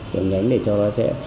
đường nhánh để cho nó sẽ